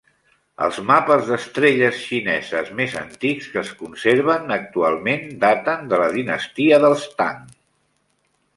Els mapes d"estrelles xineses més antics que es conserven actualment daten de la dinastia dels Tang.